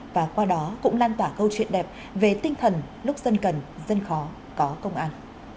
và qua đó cũng lan tỏa câu chuyện đẹp về tinh thần lúc dân cần dân khó có công an